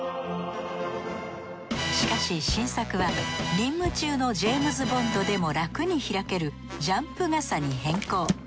しかし新作は任務中のジェームズ・ボンドでも楽に開けるジャンプ傘に変更。